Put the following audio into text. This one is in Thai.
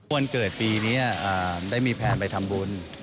วันเกิดปีนี้ได้มีแพลนไปทำบุญ